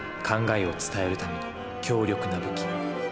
考えを伝えるための強力な武器。